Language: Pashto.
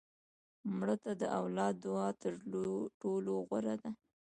مړه ته د اولاد دعا تر ټولو غوره ده